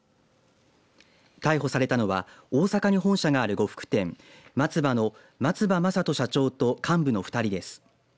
逮捕されたのは大阪に本社がある呉服店松葉の松葉将登社長と幹部の２人です。